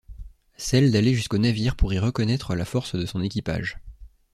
Celle d’aller jusqu’au navire pour y reconnaître la force de son équipage.